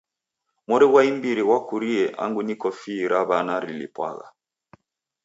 Mori ghwa imbiri ghwakurie angu niko fii ra w'ana rilipwagha